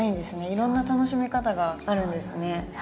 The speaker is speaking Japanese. いろんな楽しみ方があるんですね。